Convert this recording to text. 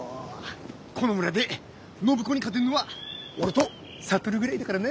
この村で暢子に勝てるのは俺と智ぐらいだからな。